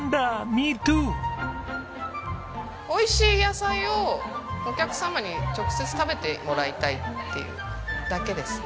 美味しい野菜をお客様に直接食べてもらいたいっていうだけですね。